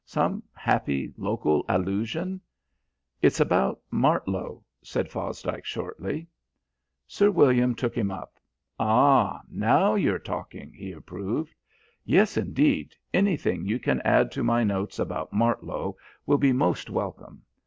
Some happy local allusion?" "It's about Martlow," said Fosdike shortly. Sir William took him up. "Ah, now you're talking," he approved. "Yes, indeed, anything you can add to my notes about Martlow will be most welcome.